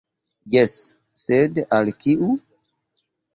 Jes, sed al kiu?